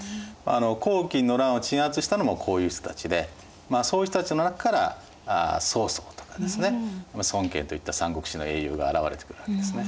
黄巾の乱を鎮圧したのもこういう人たちでそういう人たちの中から曹操とかですね孫権といった「三国志」の英雄が現れてくるわけですね。